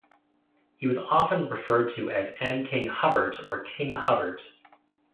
He was often referred to as "M. King Hubbert" or "King Hubbert".